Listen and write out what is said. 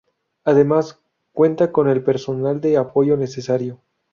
Además cuenta con el personal de apoyo necesario.